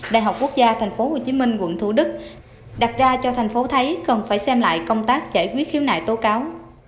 đại học quốc gia tp hcm quận thú đức đặt ra cho tp hcm thấy cần phải xem lại công tác giải quyết khiếu nại tố cáo